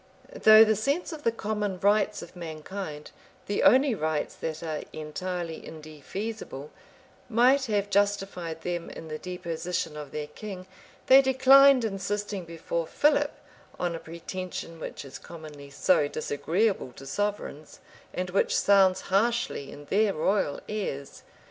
Though the sense of the common rights of mankind, the only rights that are entirely indefeasible, might have justified them in the deposition of their king, they declined insisting before Philip on a pretension which is commonly so disagreeable to sovereigns, and which sounds harshly in their royal ears.